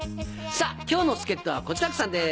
さぁ今日の助っ人は小痴楽さんです。